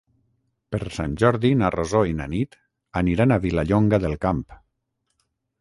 Per Sant Jordi na Rosó i na Nit aniran a Vilallonga del Camp.